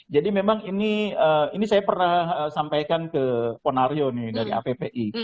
memang ini saya pernah sampaikan ke ponario nih dari appi